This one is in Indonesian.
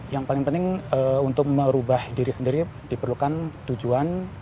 yang paling penting untuk merubah diri sendiri diperlukan tujuan